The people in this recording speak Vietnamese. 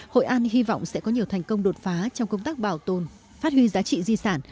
hội an hy vọng sẽ có nhiều thành công đột phá trong công tác bảo tồn phát huy giá trị di sản